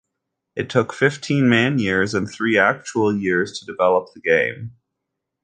It took "fifteen man-years" and three actual years to develop the game.